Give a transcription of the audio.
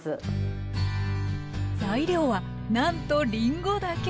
材料はなんとりんごだけ！